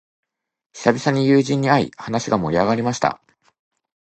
久々に友人に会い、話が盛り上がりました。